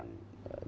mengajak pak prabowo